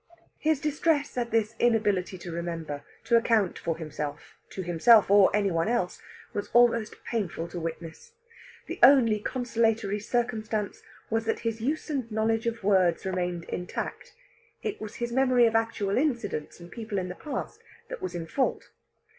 His distress at this inability to remember, to account for himself, to himself or any one else, was almost painful to witness. The only consolatory circumstance was that his use and knowledge of words remained intact; it was his memory of actual incidents and people in the past that was in fault.